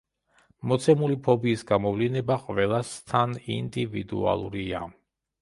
მოცემული ფობიის გამოვლინება ყველასთან ინდივიდუალურია.